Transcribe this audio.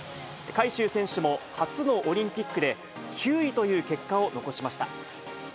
海祝選手も初のオリンピックで、９位という結果を残しました。